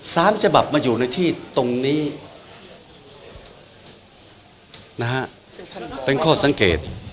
สามฉบับมาอยู่ในที่ตรงนี้นะฮะเป็นข้อสังเกต